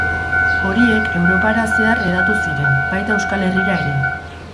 Horiek Europara zehar hedatu ziren, baita Euskal Herrira ere.